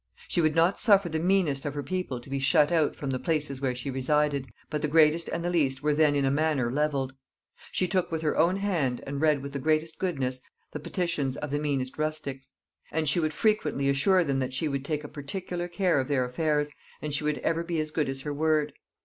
She would not suffer the meanest of her people to be shut out from the places where she resided, but the greatest and the least were then in a manner levelled. She took with her own hand, and read with the greatest goodness, the petitions of the meanest rustics. And she would frequently assure them that she would take a particular care of their affairs, and she would ever be as good as her word.